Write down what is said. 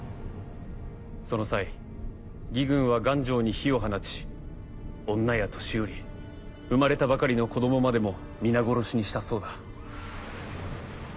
その際魏軍は丸城に火を放ち女や年寄り生まれたばかりの子供までも皆殺しにしたそうだ。